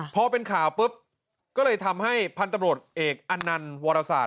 พอเป็นข่าวปุ๊บก็เลยทำให้พันธุ์ตำรวจเอกอันนันต์วรศาส